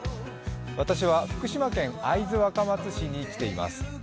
私は福島県会津若松市に来ています。